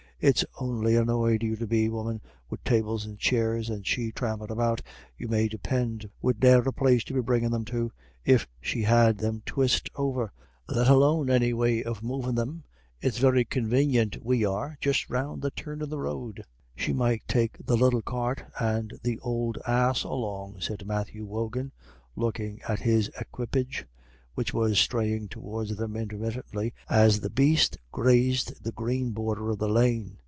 "It's on'y annoyed you'd be, woman, wid tables and chairs. And she thrampin' about, you may depind, wid ne'er a place to be bringin' them to, if she had them twyste over, let alone any way of movin' them. It's very convanient we are, just round the turn of the road." "She might take the little cart and the ould ass along," said Matthew Wogan, looking at his equipage, which was straying towards them intermittently as the beast grazed the green border of the lane.